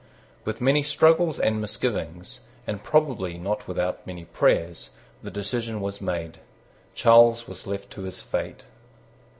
With many struggles and misgivings, and probably not without many prayers, the decision was made. Charles was left to his fate.